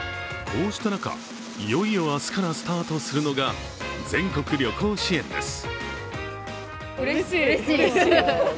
こうした中、いよいよ明日からスタートするのが全国旅行支援です。